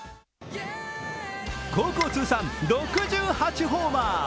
高校通算６８ホーマー。